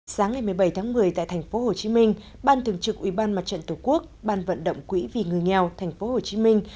sáng ngày một mươi bảy tháng một mươi tại thành phố hồ chí minh ban thường trực ubnd tổ quốc ban vận động quỹ vì người nghèo thành phố hồ chí minh